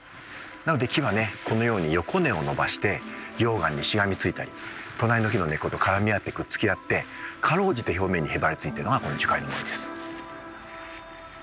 なので木はねこのように横根を伸ばして溶岩にしがみついたり隣の木の根っこと絡み合ってくっつき合ってかろうじて表面にへばりついているのがこの樹海の森です。